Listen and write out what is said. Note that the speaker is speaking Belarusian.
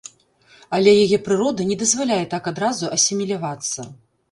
Але яе прырода не дазваляе так адразу асімілявацца.